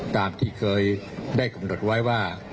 ตามที่เคยได้กำหนดไว้ว่า